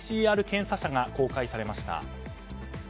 ＰＣＲ検査車が公開されました。